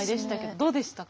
どうでしたか？